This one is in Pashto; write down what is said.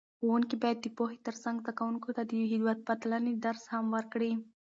ښوونکي باید د پوهې ترڅنګ زده کوونکو ته د هېوادپالنې درس هم ورکړي.